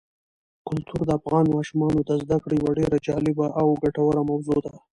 کلتور د افغان ماشومانو د زده کړې یوه ډېره جالبه او ګټوره موضوع ده.